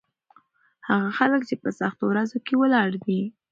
هغه خلک چې په سختو ورځو کې ولاړ دي.